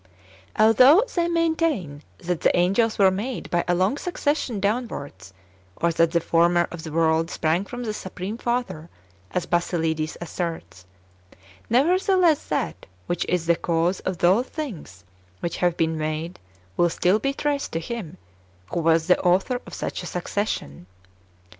Although they maintain that the angels were made by a long succession downwards, or that the Former of the world [sprang] from the Supreme Father, as Basilides asserts ; nevertheless that which is the cause of those things which have been made will still be traced to Him wdio was the Author of such a succession.